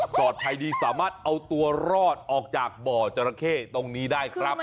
ปลอดภัยดีสามารถเอาตัวรอดออกจากบ่อจราเข้ตรงนี้ได้ครับ